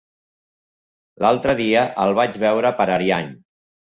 L'altre dia el vaig veure per Ariany.